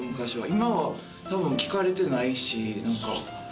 今は多分聞かれてないしなんか。